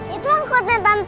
itu angkotnya tante